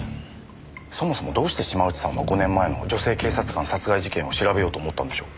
そもそもどうして島内さんは５年前の女性警察官殺害事件を調べようと思ったんでしょう？